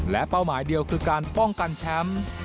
และเป้าหมายเดียวคือการป้องกันแชมป์